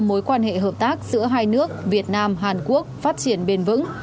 mối quan hệ hợp tác giữa hai nước việt nam hàn quốc phát triển bền vững